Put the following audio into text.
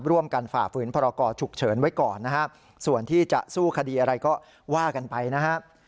ฝ่าฝืนพรกรฉุกเฉินไว้ก่อนนะฮะส่วนที่จะสู้คดีอะไรก็ว่ากันไปนะครับ